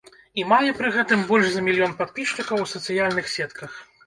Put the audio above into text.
І мае пры гэтым больш за мільён падпісчыкаў у сацыяльных сетках.